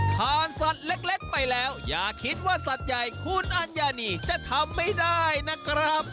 ทานสัตว์เล็กไปแล้วอย่าคิดว่าสัตว์ใหญ่คุณอัญญานีจะทำไม่ได้นะครับ